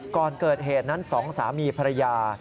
ก่อนเกิดเหตุนั้นสองสามีภรรยา